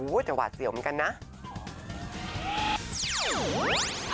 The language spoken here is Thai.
อู๋จังหวัดเสี่ยวเหมือนกันนะ